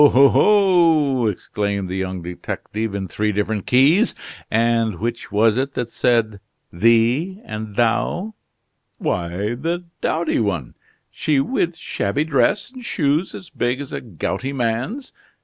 oh! oh!" exclaimed the young detective, in three different keys. "And which was it that said 'thee' and 'thou'?" "Why, the dowdy one. She with shabby dress and shoes as big as a gouty man's.